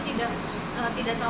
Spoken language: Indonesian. tidak terlalu pedas